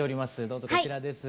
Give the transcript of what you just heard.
どうぞこちらです。